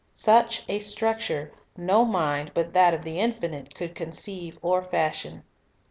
Such a structure no mind but that of the Infinite could conceive or fashion.